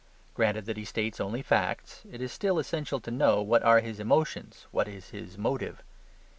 Granted that he states only facts, it is still essential to know what are his emotions, what is his motive.